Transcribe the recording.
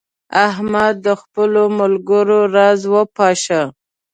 احمد د خپلو ملګرو راز وپاشه.